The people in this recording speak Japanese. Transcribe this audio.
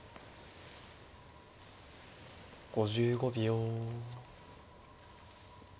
５５秒。